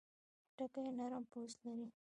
خټکی نرم پوست لري.